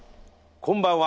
こんばんは。